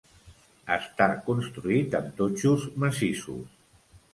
Està construït amb totxos massissos.